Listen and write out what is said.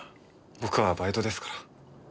僕はバイトですから。